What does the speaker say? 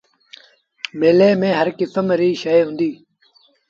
ميلي ميݩ هر ڪسم ريٚ شئي هُݩديٚ۔